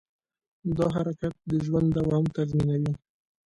دا حرکت د ژوند دوام تضمینوي.